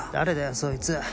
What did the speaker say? そいつ。